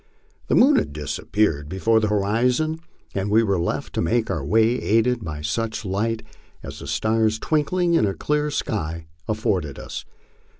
The moon had disappeared below the hori zon, and we were left to make our way aided by such light as the stars twink ling in a clear sky afforded us.